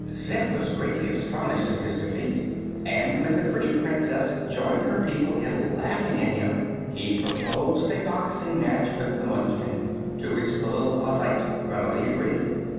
Zeb was greatly astonished at his defeat, and when the pretty Princess joined her people in laughing at him he proposed a boxing match with the Munchkin, to which the little Ozite readily agreed.